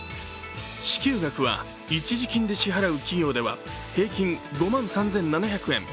支給額は、一時金で支払う企業では平均５万３７００円。